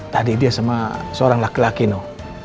tadi dia sama seorang laki laki noh